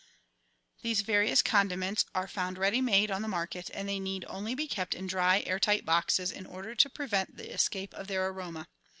These various condiments are found ready made on the market, and they need only be kept dry in air tight boxes in order to prevent the escape of their aroma.